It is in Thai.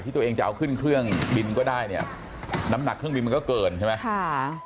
ตัวเองจะเอาขึ้นเครื่องบินก็ได้เนี่ยน้ำหนักเครื่องบินมันก็เกินใช่ไหมค่ะ